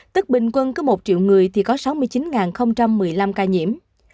tức bình quân cứ một triệu người thì có sáu mươi chín một mươi năm ca nhiễm